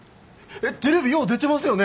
テレビよう出てますよね！